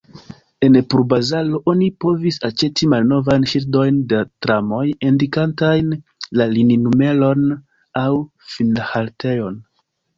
En pulbazaro oni povis aĉeti malnovajn ŝildojn de tramoj indikantajn la lininumeron aŭ finhaltejon.